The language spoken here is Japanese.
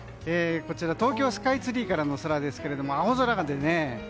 東京スカイツリーからの空ですが青空ですね。